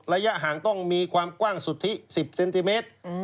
ระยะห่างต้องมีความกว้างสุทธิ๑๐เซนติเมตร